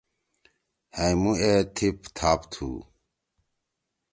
ہائمُو اے تھیپ تھاپ تُھو!